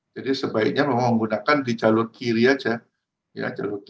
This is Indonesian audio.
jadi sebaiknya memang menggunakan di jalur kiri saja